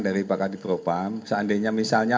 dari pak kadifropam seandainya misalnya